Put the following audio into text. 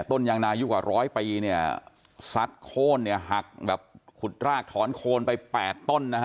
ต้นยางนายุกว่าร้อยปีเนี่ยซัดโค้นเนี่ยหักแบบขุดรากถอนโคนไปแปดต้นนะฮะ